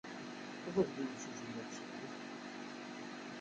Ɣer-d i yimasujji, ma ulac aɣilif.